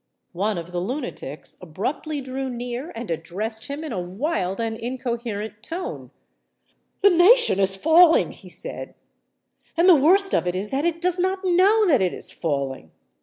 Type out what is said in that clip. One of the lunatics abruptly drew near and addressed him in a wild and incoherent tone. "The nation is falling," he said; "and the worst of it is that it does not know that it is falling!